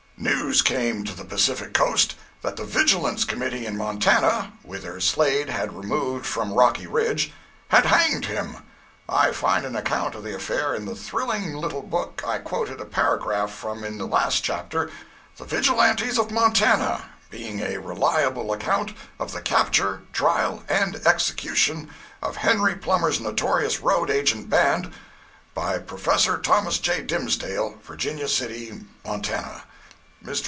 News came to the Pacific coast that the Vigilance Committee in Montana (whither Slade had removed from Rocky Ridge) had hanged him. I find an account of the affair in the thrilling little book I quoted a paragraph from in the last chapter—"The Vigilantes of Montana; being a Reliable Account of the Capture, Trial and Execution of Henry Plummer's Notorious Road Agent Band: By Prof. Thos. J. Dimsdale, Virginia City, M.T." Mr.